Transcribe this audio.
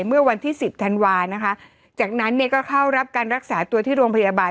เมื่อวันที่สิบธันวานะคะจากนั้นเนี่ยก็เข้ารับการรักษาตัวที่โรงพยาบาล